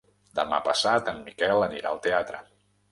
Demà passat en Miquel anirà al teatre.